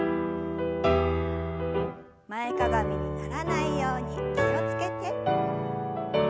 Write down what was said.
前かがみにならないように気を付けて。